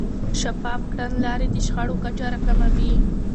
شفاف کړنلارې د شخړو کچه راکموي.